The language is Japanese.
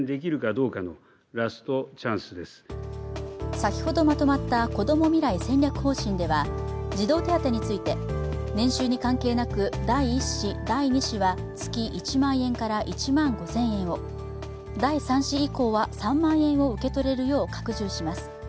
先ほどまとまったこども未来戦略方針では児童手当について年収に関係なく第１子、第２子は月１万円から１万５０００円を、第３子以降は３万円を受け取れるよう拡充します